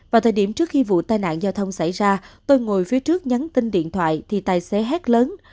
vào thời điểm trước khi vụ tai nạn giao thông xảy ra tôi ngồi phía trước nhắn tin điện thoại thì tài xế hét lớn